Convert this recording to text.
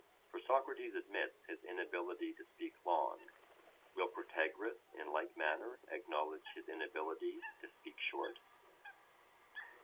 For Socrates admits his inability to speak long; will Protagoras in like manner acknowledge his inability to speak short?